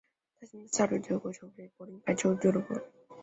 他现在效力于德国球队柏林排球俱乐部。